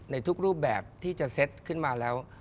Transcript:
ในทุกรูปแบบที่จะเซ็ตขึ้นมาแล้ว